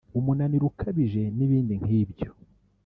umunaniro ukabije n’ibindi nk’ibyo